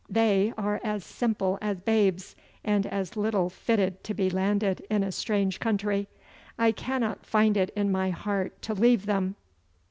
They are as simple as babes, and as little fitted to be landed in a strange country. I cannot find it in my heart to leave them!